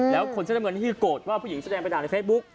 แล้วคนเสื้อน้ำเงินที่โกรธว่าผู้หญิงแสดงไปด่าในเฟซบุ๊ก